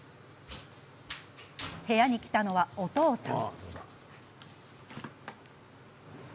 部屋に来たのは、お父さん。